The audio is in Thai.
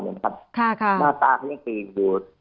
หน้าตาเขายิงดู